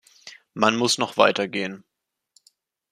Man muss noch weiter gehen.